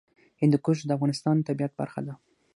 هندوکش د افغانستان د طبیعت برخه ده.